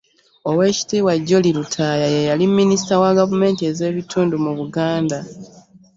Oweekitiibwa Jolly Lutaaya ye yali Minisita wa gavumenti ez'ebitundu mu Buganda.